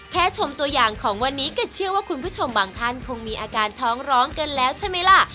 แค่ชมตัวอย่างของวันนี้ก็เชื่อว่าคุณผู้ชมบางท่านคงมีอาการท้องร้องกันแล้วใช่ไหมล่ะ